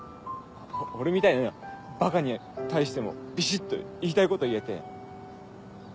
俺みたいなバカに対してもビシっと言いたいこと言えて。